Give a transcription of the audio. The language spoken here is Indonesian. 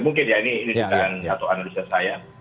mungkin ya ini sedang atau analisa saya